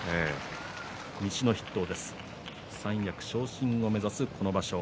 西の筆頭三役昇進を目指す今場所。